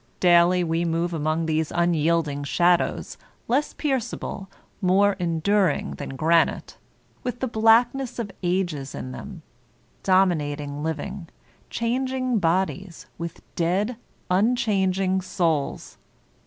Daily we move among these unyielding shadows, less pierceable, more enduring than granite, with the black ness of ages in them, dominating living, changing bodies, with dead, unchanging souls.